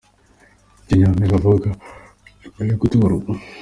Icyo Nyampinga avuga nyuma yo gutorwa.